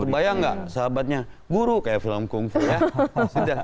bayang nggak sahabatnya guru kayak film kung fu ya